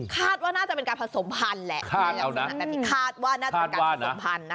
คาดว่าน่าจะเป็นการผสมพันแหละคาดเอานะคาดว่าน่าจะเป็นการผสมพันนะคะ